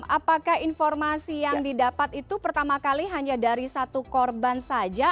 apakah informasi yang didapat itu pertama kali hanya dari satu korban saja